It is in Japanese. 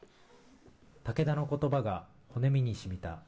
タケダの言葉が骨身に染みた。